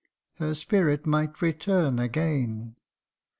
Her spirit might return again.